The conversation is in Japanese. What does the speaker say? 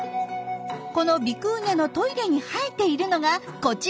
このビクーニャのトイレに生えているのがこちら。